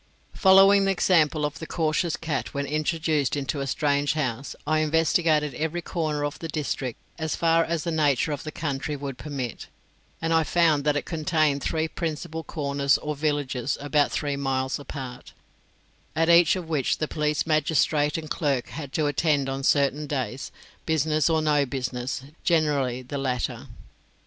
Following the example of the cautious cat when introduced into a strange house, I investigated every corner of the district as far as the nature of the country would permit; and I found that it contained three principal corners or villages about three miles apart, at each of which the police magistrate and clerk had to attend on certain days, business or no business, generally the latter.